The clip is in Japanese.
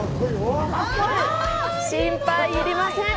心配いりません！